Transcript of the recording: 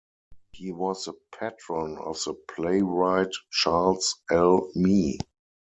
He was the patron of the playwright Charles L. Mee.